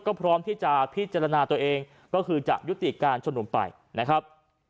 ก็พร้อมที่จะพิจารณาตัวเองก็คือจะยุติการชุมนุมไปนะครับ